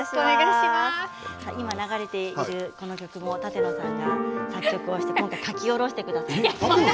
今、流れているこの曲も舘野さんが作曲をして書き下ろしてくださいました。